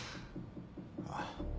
あっ。